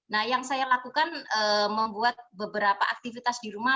jadi yang saya lakukan adalah membuat beberapa aktivitas di rumah